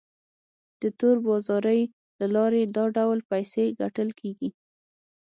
د تور بازارۍ له لارې دا ډول پیسې ګټل کیږي.